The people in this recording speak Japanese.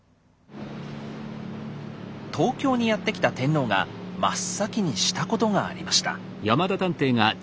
東京にやって来た天皇が真っ先にしたことがありました。